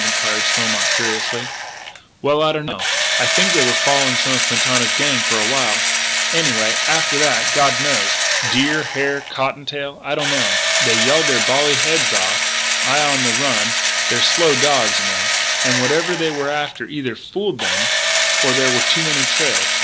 inquired Stormont curiously. "Well I don't know. I think they were following some of Quintana's gang for a while, anyway. After that, God knows, deer, hare, cotton tail, I don't know. They yelled their bally heads off I on the run they're slow dogs, you know and whatever they were after either fooled them or there were too many trails....